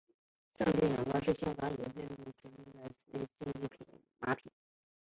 胜眼光是香港已退役纯种竞赛马匹。